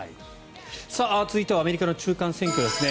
続いてはアメリカの中間選挙ですね。